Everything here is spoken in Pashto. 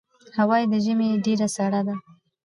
هوا یې د ژمي ډېره سړه ده.